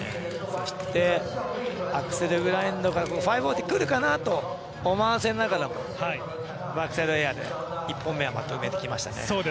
そしてアクセルグラインドから５４０くるかなと思わせながら、バックサイドエアで１本目はまとめてきましたね。